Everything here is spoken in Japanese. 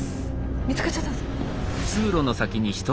見つかっちゃったんですか？